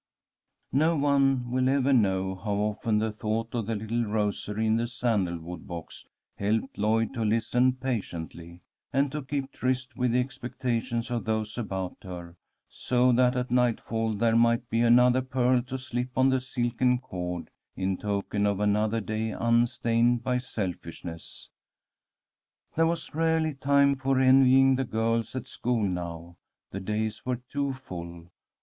No one will ever know how often the thought of the little rosary in the sandalwood box helped Lloyd to listen patiently, and to keep tryst with the expectations of those about her, so that at nightfall there might be another pearl to slip on the silken cord, in token of another day unstained by selfishness. There was rarely time for envying the girls at school now. The days were too full.